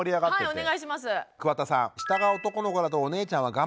はいお願いします。